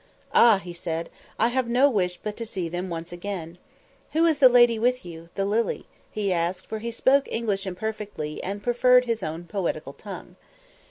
"Ah," he said, "I have no wish but to see them once again. Who is the lady with you the lily?" he asked, for he spoke English imperfectly, and preferred his own poetical tongue.